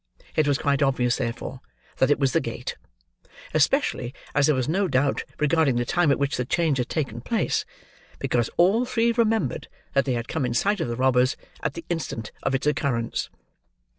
It was quite obvious, therefore, that it was the gate; especially as there was no doubt regarding the time at which the change had taken place, because all three remembered that they had come in sight of the robbers at the instant of its occurance.